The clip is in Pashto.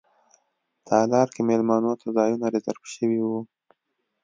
تالار کې میلمنو ته ځایونه ریزرف شوي وو.